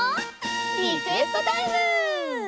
リクエストタイム！